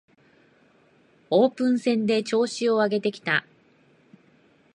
オープン戦で調子を上げてきた